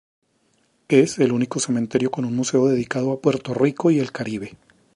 Es el único cementerio con un museo dedicado a Puerto Rico y el Caribe.